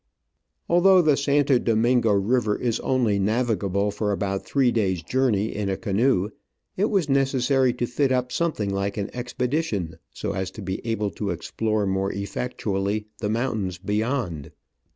Although the Santo Domingo river is only na vigable for about three days' journey in a canoe, it was necessary to fit up something like an expedi tion, so as to be able to explore more effectually the mountains beyond.